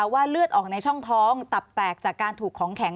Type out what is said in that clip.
เลือดออกในช่องท้องตับแตกจากการถูกของแข็ง